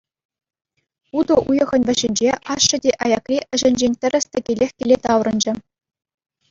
Утӑ уйӑхӗн вӗҫӗнче ашшӗ те аякри ӗҫӗнчен тӗрӗс-тӗкелех киле таврӑнчӗ.